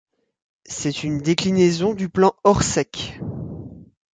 C'est une déclinaison du plan Orsec.